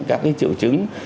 các cái triệu chứng